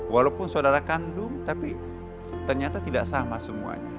walaupun saudara kandung tapi ternyata tidak sama semuanya